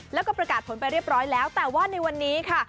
แล้วก็ประกาศผลไปเรียบร้อยแล้วแต่ว่าในวันนี้ค่ะ